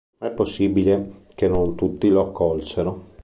Ma è possibile che non tutti lo accolsero.